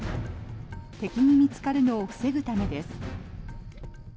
敵に見つかるのを防ぐためです。